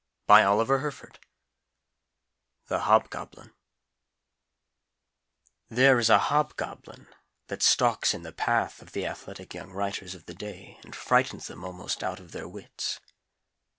_" THE HOBGOBLIN There is a Hobgoblin that stalks in the path of the athletic young writers of the day and frightens them almost out of their wits.